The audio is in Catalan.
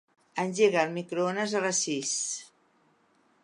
Engega el microones a les sis.